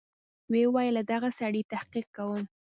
ويې ويل له دغه سړي تحقيق کوم.